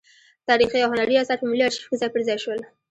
تاریخي او هنري اثار په ملي ارشیف کې ځای پر ځای شول.